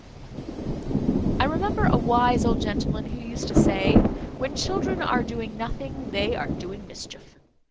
I remember a wise old gentleman who used to say, "When children are doing nothing, they are doing mischief."